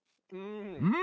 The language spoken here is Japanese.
うん！